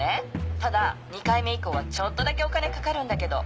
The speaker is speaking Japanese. ただ２回目以降はちょっとだけお金かかるんだけど。